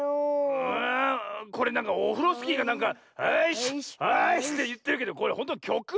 ああこれなんかオフロスキーがなんか「あいしっあいしっ」っていってるけどこれほんときょく？